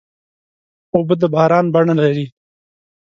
اوبه د باران بڼه لري.